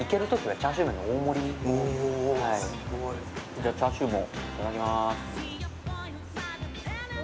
じゃあ、チャーシューもいただきます。